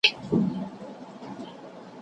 که نجونې نذر ورکړي نو مراد به نه پاتې کېږي.